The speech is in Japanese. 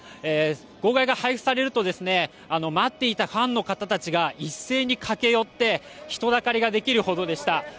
号外が配布されると待っていたファンの方たちが一斉に駆け寄って人だかりができるほどでした。